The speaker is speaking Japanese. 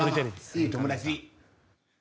良い友達。